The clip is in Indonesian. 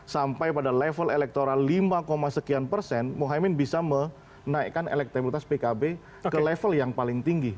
sampai pada level elektoral lima sekian persen mohaimin bisa menaikkan elektabilitas pkb ke level yang paling tinggi